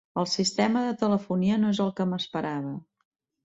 El sistema de telefonia no és el que m'esperava.